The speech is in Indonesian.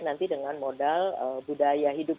nanti dengan modal budaya hidup